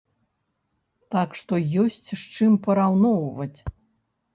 Так што ёсць з чым параўноўваць.